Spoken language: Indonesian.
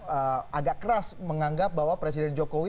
yang agak keras menganggap bahwa presiden jokowi